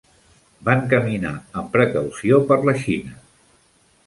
Van caminar amb precaució per la Xina.